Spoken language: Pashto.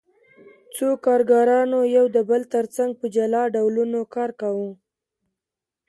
څو کارګرانو یو د بل ترڅنګ په جلا ډول کار کاوه